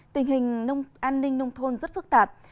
tình hình an ninh nông thôn rất phức tạp